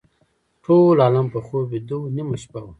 ټول عالم په خوب ویده و نیمه شپه وه.